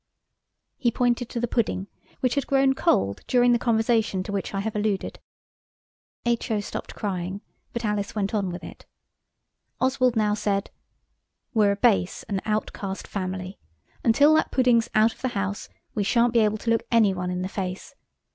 He pointed to the pudding, which had grown cold during the conversation to which I have alluded. H.O. stopped crying, but Alice went on with it. Oswald now said– "We're a base and outcast family. Until that pudding's out of the house we shan't be able to look any one in the face.